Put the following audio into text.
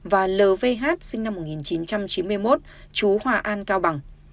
và lv sinh năm một nghìn chín trăm chín mươi một chú hòa an cao bằng